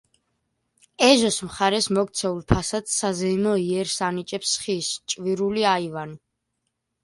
ეზოს მხარეს მოქცეულ ფასადს საზეიმო იერს ანიჭებს ხის, ჭვირული აივანი.